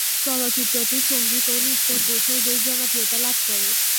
চলচ্চিত্রটির সঙ্গীত ও নৃত্য কৌশল বেশ জনপ্রিয়তা লাভ করে।